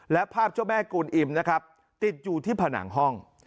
และภาพเจ้าแม่กูลอิ่มนะครับติดอยู่ที่ผนังห้อง